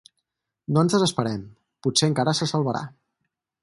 No ens desesperem: potser encara se salvarà.